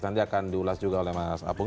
nanti akan diulas juga oleh mas apung